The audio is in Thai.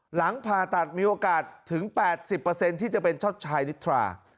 หลังผ่าตัดมีโอกาสถึง๘๐ที่จะเป็นช็อตชายนิทรา